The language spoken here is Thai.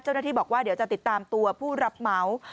เจ้าหน้าที่บอกว่าเดี๋ยวจะติดตามตัวผู้รับเหมา